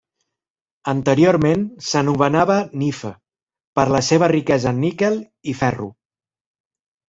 Anteriorment s'anomenava Nife per la seva riquesa en níquel i ferro.